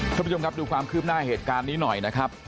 คุณผู้ชมครับดูความคืบหน้าเหตุการณ์นี้หน่อยนะครับ